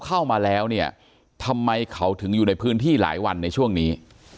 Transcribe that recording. เข้ามาแล้วเนี่ยทำไมเขาถึงอยู่ในพื้นที่หลายวันในช่วงนี้